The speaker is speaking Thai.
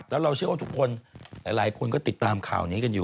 แล้วเราเชื่อว่าทุกคนหลายคนก็ติดตามข่าวนี้กันอยู่